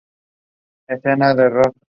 Escena de rock.